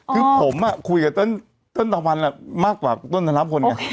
คือผมคุยกับเติ้ลตะวันมากกว่าเติ้ลธนาปน